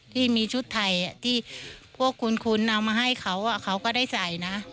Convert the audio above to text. ที่มีชุดไทยที่พวกคุณเอามาให้เขาเขาก็ได้ใส่นะ